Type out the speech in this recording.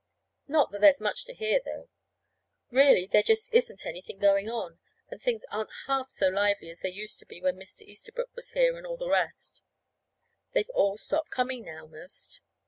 Not that there's much to hear, though. Really, there just isn't anything going on, and things aren't half so lively as they used to be when Mr. Easterbrook was here, and all the rest. They've all stopped coming, now, 'most.